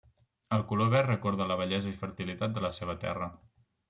El color verd recorda la bellesa i fertilitat de la seva terra.